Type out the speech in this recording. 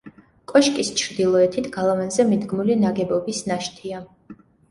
კოშკის ჩრდილოეთით, გალავანზე მიდგმული ნაგებობის ნაშთია.